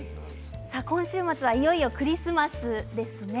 今週末はいよいよクリスマスですね。